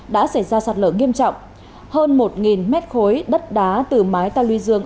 đã xảy ra sạt lở nghiêm trọng hơn một mét khối đất đá từ mái tà lư dương